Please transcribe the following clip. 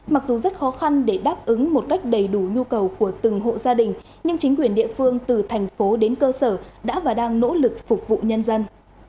mặc dù rất khó khăn để đáp ứng một cách đầy đủ nhu cầu của từng hộ gia đình nhưng chính quyền địa phương từ thành phố đến cơ sở đã và đang nỗ lực phục vụ nhân dân